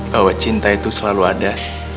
bahwa cinta itu selalu ada